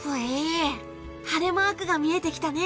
晴れマークが見えてきたね。